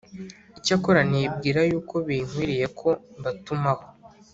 Icyakora nibwira yuko binkwiriye ko mbatumaho